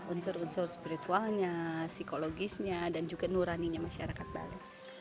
unsur unsur spiritualnya psikologisnya dan juga nuraninya masyarakat bali